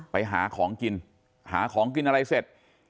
ไปหาของกินหาของกินอะไรเสร็จ